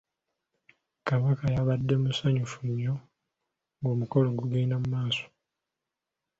Kabaka yabadde mukyamufu nnyo ng'omukolo gugenda mu maaso .